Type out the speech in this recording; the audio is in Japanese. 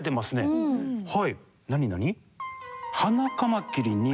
はいなになに？